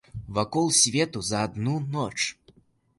Вакол свету за адну ноч.